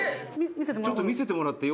「ちょっと見せてもらっていい？